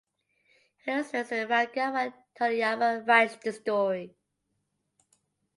He illustrates the manga while Toriyama writes the story.